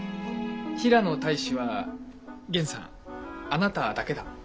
平の隊士は源さんあなただけだ。